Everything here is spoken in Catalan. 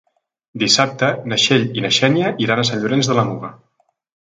Dissabte na Txell i na Xènia iran a Sant Llorenç de la Muga.